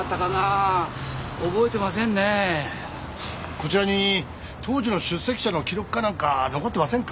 こちらに当時の出席者の記録か何か残ってませんか？